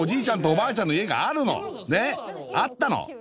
ちゃんとおばあちゃんの家があるのねっあったの！